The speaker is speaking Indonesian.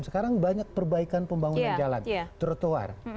sekarang banyak perbaikan pembangunan jalan trotoar